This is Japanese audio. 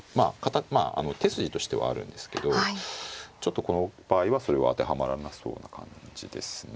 まあ手筋としてはあるんですけどちょっとこの場合はそれは当てはまらなそうな感じですね。